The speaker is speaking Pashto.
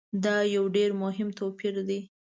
دا یو ډېر مهم توپیر دی.